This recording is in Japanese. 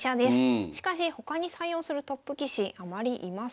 しかし他に採用するトップ棋士あまりいません。